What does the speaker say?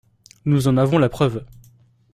Nous en avons la preuve.